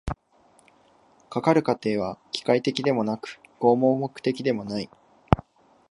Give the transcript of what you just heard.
かかる過程は機械的でもなく合目的的でもない。